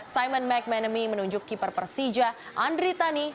simon mcmanamy menunjuk keeper persija andri tani